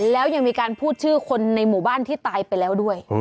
แล้วยังมีการพูดชื่อคนในหมู่บ้านที่ตายไปแล้วด้วย